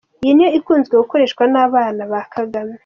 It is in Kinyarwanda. Iyi niyo ikunzwe gukoreshwa n’abana ba Kagame.